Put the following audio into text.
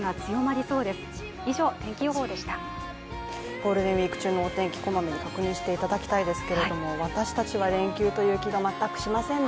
ゴールデンウイーク中のお天気こまめに確認していただきたいですけど私たちは連休という気が全くしませんで。